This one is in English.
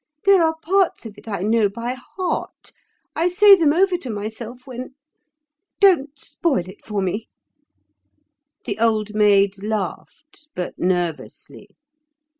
There are parts of it I know by heart. I say them over to myself when— Don't spoil it for me." The Old Maid laughed, but nervously.